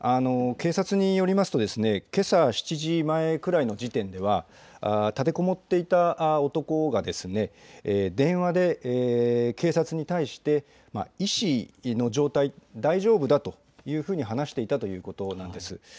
警察によりますとけさ７時前くらいの時点では立てこもっていた男が電話で警察に対して医師の状態、大丈夫だというふうに話していたということなんです。